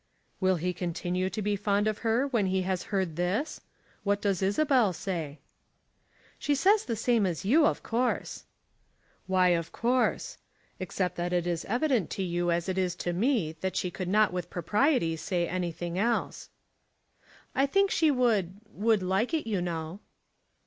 "Will he continue to be fond of her when he has heard this? What does Isabel say?" "She says the same as you, of course." "Why of course; except that it is evident to you as it is to me that she could not with propriety say anything else." "I think she would, would like it, you know."